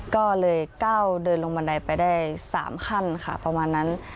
ก็เลยก้าวเดินลงบันไดไปได้๓ขั้นค่ะประมาณนั้น